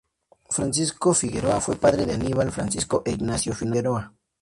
Francisco Figueroa fue padre de Aníbal, Francisco e Ignacio Figueroa.